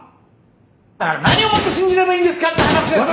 だから何をもって信じればいいんですかって話ですよ！